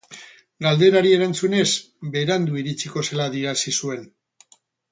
Galderari erantzunez, berandu iritsiko zela adierazi zuen.